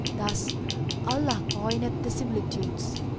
Thus Allah coineth the similitudes.